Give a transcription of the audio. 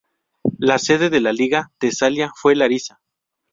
La sede de la Liga Tesalia fue Larisa.